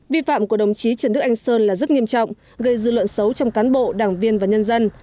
vi phạm của đồng chí trần đức anh sơn là rất nghiêm trọng gây dư luận xấu trong cán bộ đảng viên và nhân dân